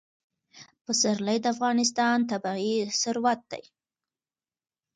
پسرلی د افغانستان طبعي ثروت دی.